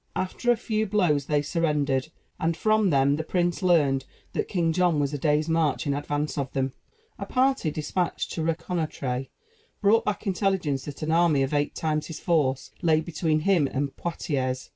After a few blows they surrendered, and from them the prince learned that King John was a day's march in advance of him. A party, despatched to reconnoitre, brought back intelligence that an army of eight times his force lay between him and Poitiers.